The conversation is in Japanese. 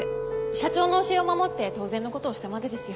社長の教えを守って当然のことをしたまでですよ。